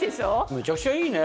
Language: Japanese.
めちゃくちゃいいね！